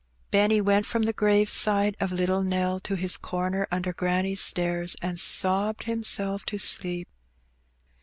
Benny went from the grave side of little Nell to his comer under granny^s stairs, and sobbed himself to sleep.